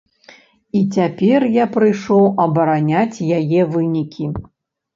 І цяпер я прыйшоў абараняць яе вынікі.